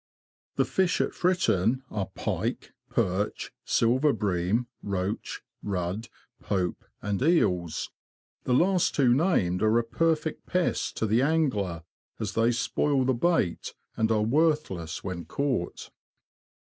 The fish at Fritton are pike, perch, silver bream, roach, rudd, pope, and eels ; the last two named are 32 THE LAND OF THE BROADS. a perfect pest to the angler, as they spoil the bait, and are worthless when caught.